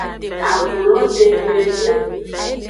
Agu lo den nyuiede.